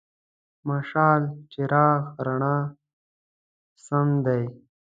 مشال: څراغ، رڼا سم دی.